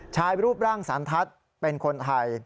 รูปร่างสันทัศน์เป็นคนไทย